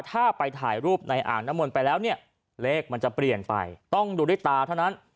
ถ้าไปถ่ายรูปในอ่างน้ำมนต์ไปแล้วเนี่ยเลขมันจะเปลี่ยนไปต้องดูด้วยตาเท่านั้น